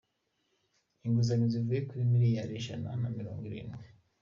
Inguzanyo zivuye kuri miliyari ijana na mirongo irindwi.